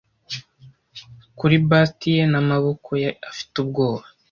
kuri bust ye n'amaboko ye afite ubwoba